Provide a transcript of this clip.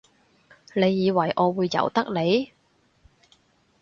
你以為我會由得你？